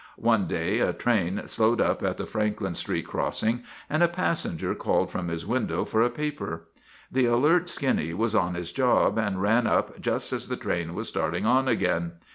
One day a train slowed up at the Franklin Street crossing and a passenger called from his window for a paper. The alert Skinny was on his job, and ran up just as the train was starting on again.